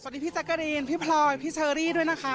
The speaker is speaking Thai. สวัสดีพี่จักรีนพี่พลอยพี่เชอรี่ด้วยนะคะ